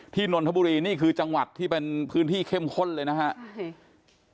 นนทบุรีนี่คือจังหวัดที่เป็นพื้นที่เข้มข้นเลยนะครับ